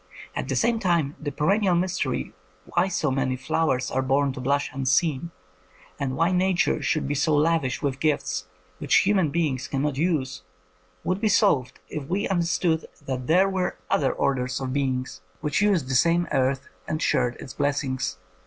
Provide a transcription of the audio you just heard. At the same time, the perennial mystery why so many *' flowers are born to blush unseen," and why Nature should be so lavish with gifts which human beings cannot use, would be solved if we under stood that there were other orders of being 150 INDEPENDENT EVIDENCE FOR FAIRIES which used the same earth and shared its blessings.